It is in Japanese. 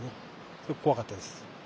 すごく怖かったです。